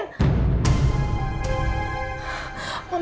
tidak ada yang bisa dihubungin